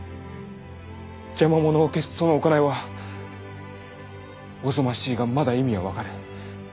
邪魔者を消すその行いはおぞましいがまだ意味は分かる。